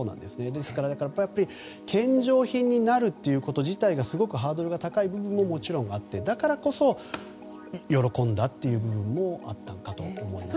ですから、献上品になることがハードルの高い部分ももちろんあってだからこそ、喜んだという部分もあったのかもしれませんね。